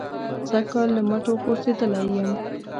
سږ کال له مټو غورځېدلی یم.